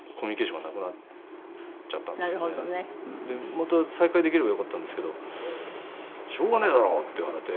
また再開できればよかったんですけど「しょうがねえだろ」って言われて。